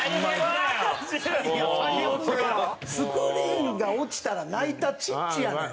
スクリーンが落ちたら泣いたチッチやねん！